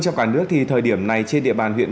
trong cả nước thì thời điểm này trên địa bàn huyện